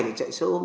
để chạy xe ôm